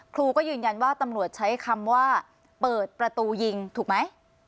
ครูก็ยืนยันว่าตำรวจใช้คำว่าเปิดประตูยิงถูกไหม